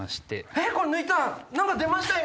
えっこれ抜いた何か出ましたよ